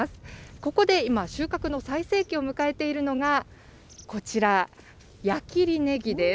ここで今、収穫の最盛期を迎えているのが、こちら、矢切ねぎです。